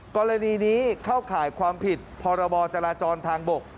กรณีนี้เข้าข่ายความผิดพรบจราจรทางบก